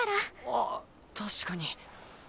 あっ確かに。